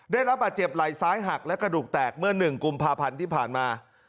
ได้รับบาดเจ็บไหล่ซ้ายหักและกระดูกแตกเมื่อ๑กุมภาพันธ์ที่ผ่านมา